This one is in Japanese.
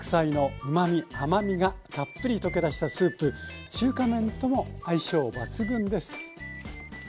甘みがたっぷり溶け出したスープ中華麺とも相性抜群です。